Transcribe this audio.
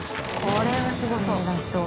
これはすごそういい値段しそう。